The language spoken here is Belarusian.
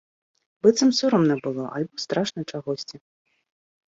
Быццам сорамна было альбо страшна чагосьці.